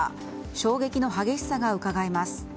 衝撃の激しさがうかがえます。